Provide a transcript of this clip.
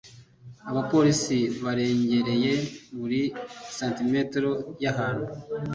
Abapolisi barengereye buri santimetero y'ahantu.